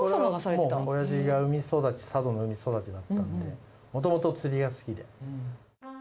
おやじが海育ち、佐渡の海育ちだったんで、もともと釣りが好きで。